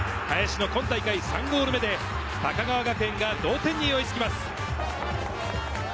林の今大会３ゴール目で高川学園が同点に追いつきます。